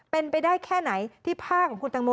เป็นไปได้แค่ไหนที่ผ้าของคุณตังโม